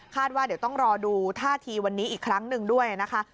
ว่าเดี๋ยวต้องรอดูท่าทีวันนี้อีกครั้งหนึ่งด้วยนะคะ